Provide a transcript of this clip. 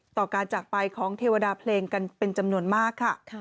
ต่อการจากไปของเทวดาเพลงกันเป็นจำนวนมากค่ะ